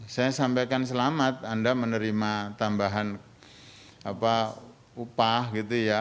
saya sampaikan selamat anda menerima tambahan upah gitu ya